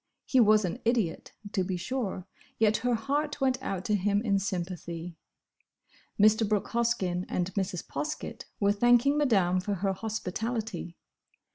He was an idiot, to be sure, yet her heart went out to him in sympathy. Mr. Brooke Hoskyn and Mrs. Poskett were thanking Madame for her hospitality.